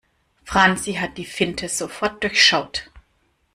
Franzi hat die Finte sofort durchschaut.